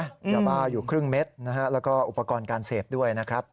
ยาบ้าอยู่ครึ่งเม็ดนะฮะแล้วก็อุปกรณ์การเสพด้วยนะครับ